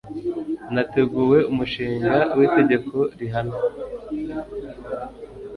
hanateguwe umushinga w'itegeko rihana